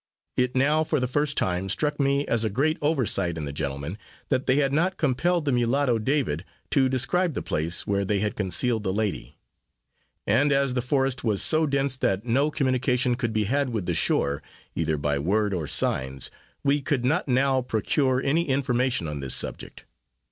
It now for the first time struck me as a great oversight in the gentlemen, that they had not compelled the mulatto, David, to describe the place where they had concealed the lady; and, as the forest was so dense that no communication could be had with the shore, either by word or signs, we could not now procure any information on this subject.